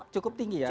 cukup tinggi ya